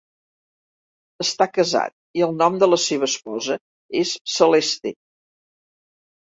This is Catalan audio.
Està casat, i el nom de la seva esposa és Celeste.